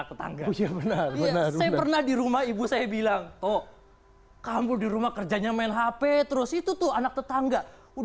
tetangga pernah di rumah ibu saya bilang oh kamu di rumah kerjanya main hp terus itu tuh anak tetangga